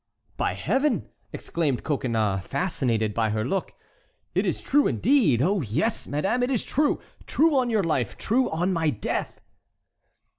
"By Heaven!" exclaimed Coconnas, fascinated by her look, "it is true, indeed. Oh, yes, madame, it is true—true on your life—true on my death!"